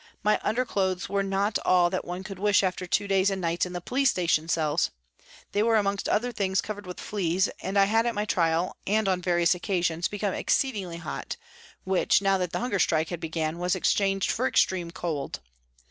My underclothes were not all that one could wish after two days and nights in the police station cells. They were amongst other things covered with fleas, and I had at my trial, and on various occasions, become exceedingly hot, which, now that the hunger strike had begun, was exchanged for extreme cold.